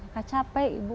gak capek ibu